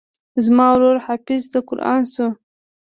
زما ورور حافظ د قران سو.